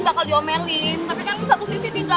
gak bakal diomelin tapi kan satu sisi nikah